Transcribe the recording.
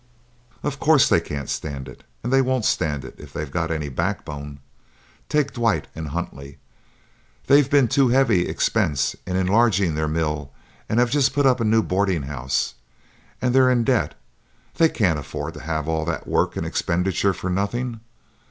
"Of course they can't stand it, and they won't stand it if they've got any backbone! Take Dwight and Huntley; they've been to heavy expense in enlarging their mill and have just put up a new boarding house, and they're in debt; they can't afford to have all that work and expenditure for nothing.